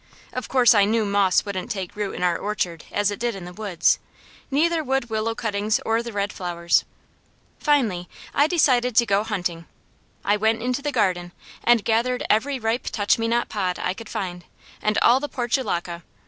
Of course I knew moss wouldn't take root in our orchard as it did in the woods, neither would willow cuttings or the red flowers. Finally, I decided to go hunting. I went into the garden and gathered every ripe touch me not pod I could find, and all the portulaca.